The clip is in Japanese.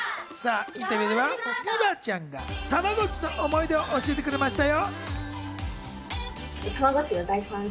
インタビューではＲＩＭＡちゃんがたまごっちの思い出を教えてくれましたよ。